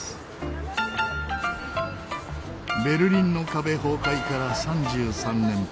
ベルリンの壁崩壊から３３年。